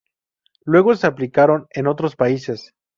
Luego se aplicaron en otros países.